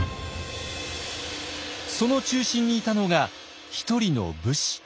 その中心にいたのが１人の武士。